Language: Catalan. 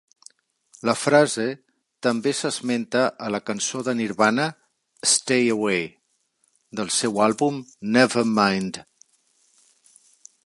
La frase també s'esmenta a la cançó de Nirvana "Stay Away", del seu àlbum "Nevermind".